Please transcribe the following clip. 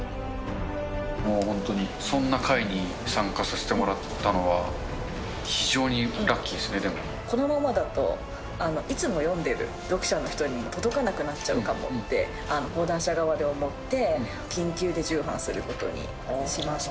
もう本当に、そんな回に参加させてもらったのは、非常にラッキーっすね、このままだと、いつも読んでる読者の人に届かなくなっちゃうかもって講談社側では思って、緊急で重版することにしました。